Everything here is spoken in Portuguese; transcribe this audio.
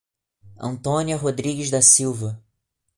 Antônia Rodrigues da Silva